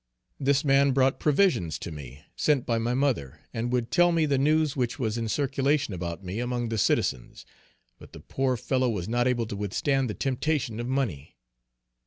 This man brought provisions to me, sent by my mother, and would tell me the news which was in circulation about me, among the citizens. But the poor fellow was not able to withstand the temptation of money.